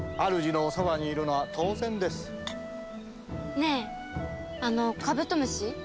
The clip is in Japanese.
ねえあのカブトムシ？